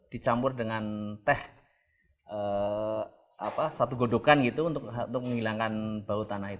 kita bisa menggunakan satu godokan untuk menghilangkan bau tanah